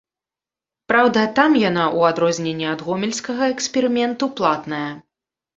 Праўда, там яна, у адрозненне ад гомельскага эксперыменту, платная.